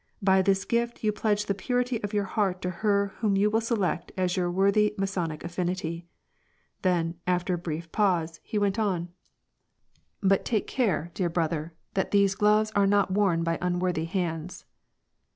By this gift you pledge the purity of your heart to her whom you will select as your worthy Masonic aflinity." Then, after a brief pause, he went on, — WAR AND PEACE. 85 ^ Bnt take care, dear brother, that these gloves are not worn by unworthy hands